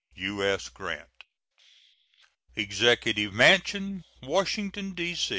U.S. GRANT. EXECUTIVE MANSION, _Washington, D.